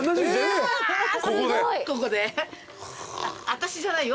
私じゃないよ